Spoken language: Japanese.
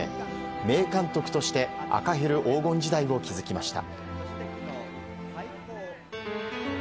名監督として赤ヘル黄金時代を築きました。